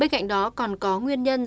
bên cạnh đó còn có nguyên nhân